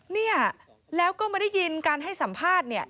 นี่แล้วก็มาได้ยินการให้สัมภาษณ์